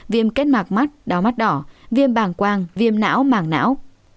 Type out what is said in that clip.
viêm kết mạc mắt đau mắt đỏ viêm bàng quang viêm não mảng não